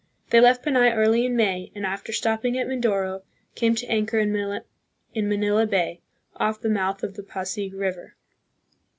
They left Panay early in May, and, after stopping at Mindoro, came to anchor in Manila Bay, off the mouth of the Pasig River.